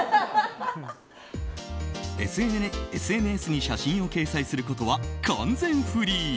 ＳＮＳに写真を掲載することは完全フリー。